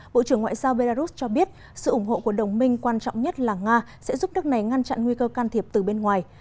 bộ trưởng ngoại giao belarus cho biết sự ủng hộ của đồng minh quan trọng nhất là nga sẽ giúp đất này ngăn chặn nguy cơ can thiệp từ bên ngoài